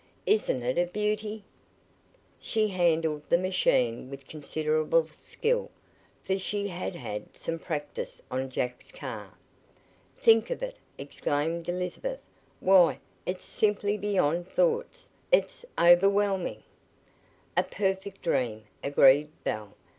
"Isn't it a beauty?" She handled the machine with considerable skill, for she had had some practice on Jack's car. "Think of it!" exclaimed Elizabeth. "Why, it's simply beyond thoughts; it's overwhelming!" "A perfect dream," agreed Belle.